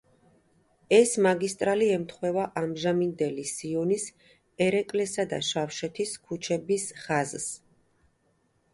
ეს მაგისტრალი ემთხვევა ამჟამინდელი სიონის, ერეკლესა და შავთელის ქუჩების ხაზს.